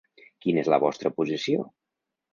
Quina és la vostra posició?